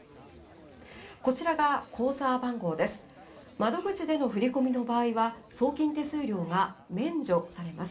こちらが口座番号です。